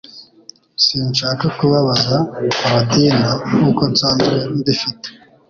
Sinshaka kubabaza Korodina nkuko nsanzwe mbifite